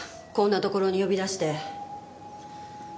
こんなところに呼び出して。